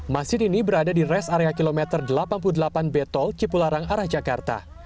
masjid ini berada di res area kilometer delapan puluh delapan b tol cipularang arah jakarta